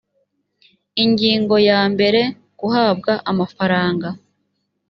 ingingo ya mbere guhabwa amafaranga